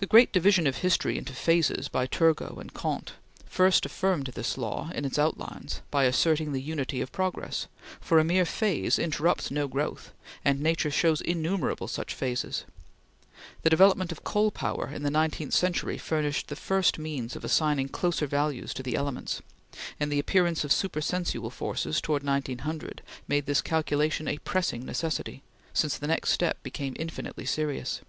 The great division of history into phases by Turgot and Comte first affirmed this law in its outlines by asserting the unity of progress, for a mere phase interrupts no growth, and nature shows innumerable such phases. The development of coal power in the nineteenth century furnished the first means of assigning closer values to the elements; and the appearance of supersensual forces towards 1900 made this calculation a pressing necessity; since the next step became infinitely serious.